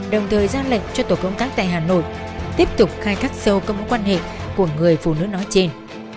đồng thời ra lệnh cho tổ công tác tại hà nội tiếp tục khai thác sâu các mối quan hệ của người phụ nữ nói trên